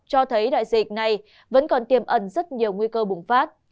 cho thấy đại dịch này vẫn còn tiềm ẩn rất nhiều nguy cơ bùng phát